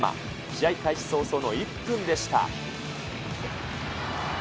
試合開始早々の１分でした。